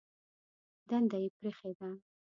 دنده یې پرېښې ده.